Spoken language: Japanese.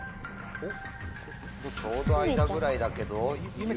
ちょうど間ぐらいだけど。